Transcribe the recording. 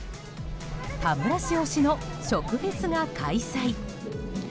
田村市推しの食フェスが開催。